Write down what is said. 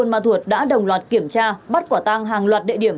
buôn ma thuật đã đồng loạt kiểm tra bắt quả tăng hàng loạt địa điểm